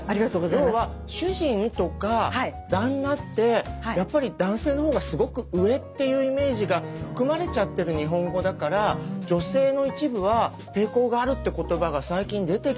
要は主人とか旦那ってやっぱり男性の方がすごく上っていうイメージが含まれちゃってる日本語だから女性の一部は抵抗があるって言葉が最近出てきている単語だったのよね。